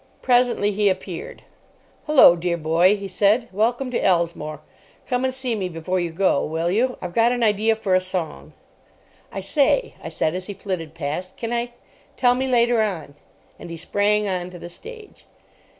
Presently he appeared. "Hullo, dear old boy," he said. "Welcome to Elsmore. Come and see me before you go, will you? I've got an idea for a song." "I say," I said, as he flitted past, "can I——" "Tell me later on." And he sprang on to the stage.